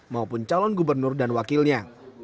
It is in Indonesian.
maupun calon gubernur dan wakilnya